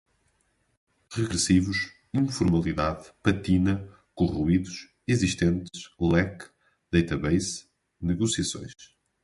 regressivos, informalidade, patina, corroídos, existentes, leque, data-base, negociações